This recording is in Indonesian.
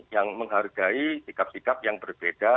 yang menghargai sikap sikap yang berbeda